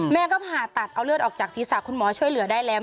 แม่ก็ผ่าตัดเอาเลือดออกจากศีรษะคุณหมอช่วยเหลือได้แล้ว